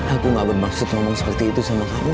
aku gak bermaksud ngomong seperti itu sama kamu